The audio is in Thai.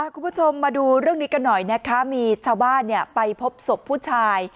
คุณผู้ชมมาดูเรื่องนี้กันหน่อยนะคะมีชาวบ้านไปพบศพผู้ชาย